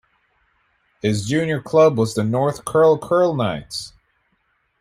His junior club was the North Curl Curl Knights.